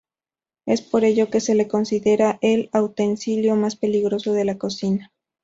Es por ello que se le considera el utensilio más peligroso de la cocina.